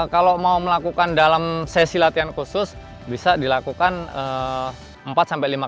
kalau mau melakukan dalam sesi latihan khusus bisa dilakukan empat lima kali repetisi atau pengulangan